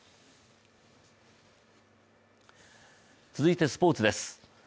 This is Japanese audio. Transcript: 続いてスポーツです。